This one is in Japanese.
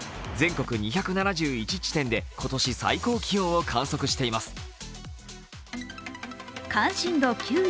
全国２７１地点で今年最高気温を観測しています。